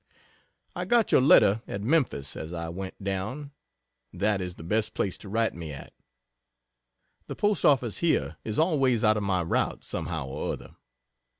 I got your letter at Memphis as I went down. That is the best place to write me at. The post office here is always out of my route, somehow or other.